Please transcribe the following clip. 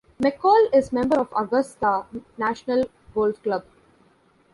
McColl is member of Augusta National Golf Club.